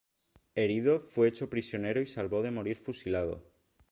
Herido, fue hecho prisionero y salvó de morir fusilado.